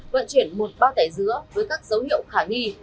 vận chuyển một bao tải dứa với các dấu hiệu khả nghi